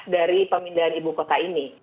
dari pemindahan ibu kota ini